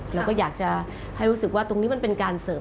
เราก็อยากจะให้รู้สึกว่าตรงนี้มันเป็นการเสริม